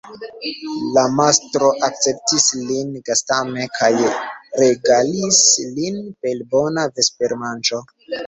La mastro akceptis lin gastame kaj regalis lin per bona vespermanĝo.